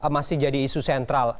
masih jadi isu sentral